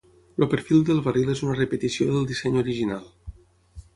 El perfil del barril és una repetició del disseny original.